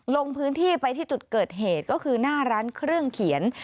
ลงพื้นที่ไปที่จุดเกิดเหตุก็คือหน้าร้านเครื่องเขียน